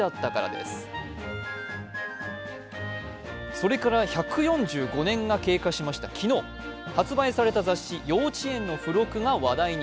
それから１４５年が経過しました昨日、発売された雑誌「幼稚園」の付録が話題に。